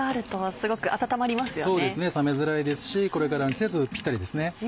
そうですね冷めづらいですしこれからの季節ピッタリですね。